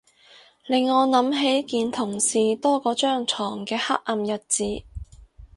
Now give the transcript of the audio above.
令我諗起見同事多過張牀嘅黑暗日子